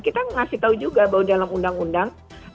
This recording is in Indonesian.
kita ngasih tahu juga bahwa dalam undang undang